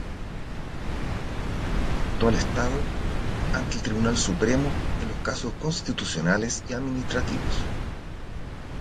Ella representó al Estado ante el Tribunal Supremo en los casos constitucionales y administrativos.